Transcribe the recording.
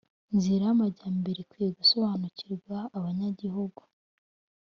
Nzira yamajyambere ikwiye gusobanukirwa abanyagihugu